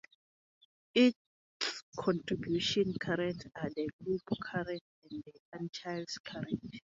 Its contributing currents are the Loop Current and the Antilles Current.